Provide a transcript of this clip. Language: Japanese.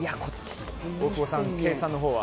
大久保さん、計算のほうは？